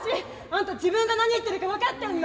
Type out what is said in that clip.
あんた自分が何言ってるか分かってんの？